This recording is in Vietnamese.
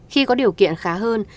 khi có điều kiện khá hơn